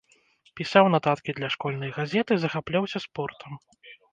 Пісаў нататкі для школьнай газеты, захапляўся спортам.